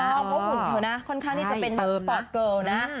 ถูกต้องเพราะว่าคุณเธอนะค่อนข้างที่จะเป็นสปอตเกิลนะ